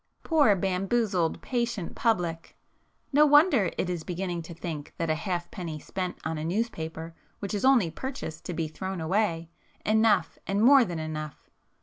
Poor, bamboozled, patient public!—no wonder it is beginning to think that a halfpenny spent on a newspaper which is only purchased to be thrown away, enough and more than enough.